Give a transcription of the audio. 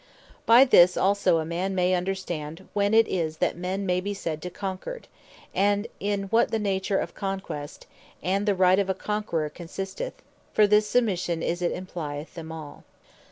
By this also a man may understand, when it is, that men may be said to be Conquered; and in what the nature of Conquest, and the Right of a Conquerour consisteth: For this Submission is it implyeth them all.